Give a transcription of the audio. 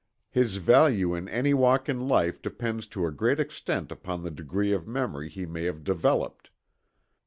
His value in any walk in life depends to a great extent upon the degree of memory he may have developed.